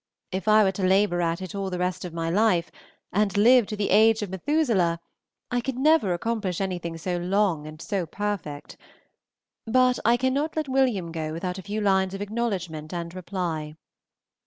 If I were to labor at it all the rest of my life, and live to the age of Methuselah, I could never accomplish anything so long and so perfect; but I cannot let William go without a few lines of acknowledgment and reply.